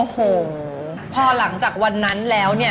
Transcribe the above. โอ้โหพอหลังจากวันนั้นแล้วเนี่ย